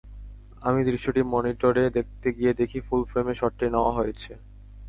আমি দৃশ্যটি মনিটরে দেখতে গিয়ে দেখি, ফুল ফ্রেমে শটটি নেওয়া হয়েছে।